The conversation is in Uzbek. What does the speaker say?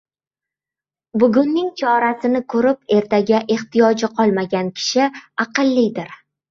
Bugunning chorasini ko‘rib ertaga ehtiyoji qolmagan kishi aqllidir.